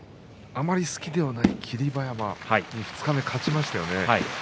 あまり好きではない霧馬山に二日目、勝ちましたね。